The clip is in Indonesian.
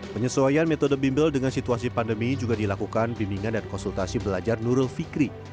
penyesuaian metode bimbel dengan situasi pandemi juga dilakukan bimbingan dan konsultasi belajar nurul fikri